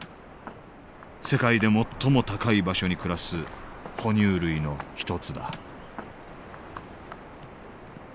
世界で最も高い場所に暮らす哺乳類の一つだ